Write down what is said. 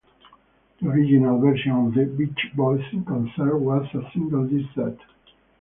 The original version of "The Beach Boys in Concert" was a single disc set.